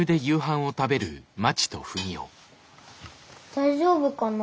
大丈夫かな？